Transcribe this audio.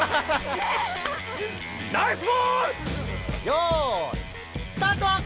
よいスタート！